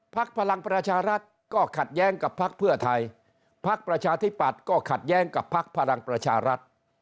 พลังประชารัฐก็ขัดแย้งกับพักเพื่อไทยพักประชาธิปัตย์ก็ขัดแย้งกับพักพลังประชารัฐ